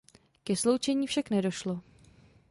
Ke sloučení však nedošlo.